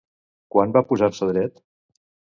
Quan va posar-se dret?